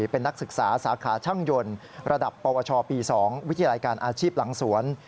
เป็นนักศึกษาสาขาช่างยนต์ระดับปวชปี๒วิทยาลัยการอาชีพหลังสวน